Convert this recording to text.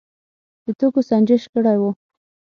د توکو سنجش کړی و.